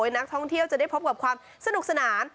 นักท่องเที่ยวจะได้พบกับความสนุกสนาน